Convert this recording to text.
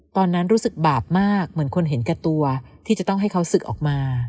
ตอนนั้นรู้สึกบาปมากเหมือนคนเห็นแก่ตัวที่จะต้องให้เขาศึกออกมา